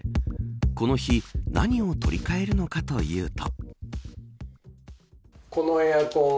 この日何を取り替えるのかというと。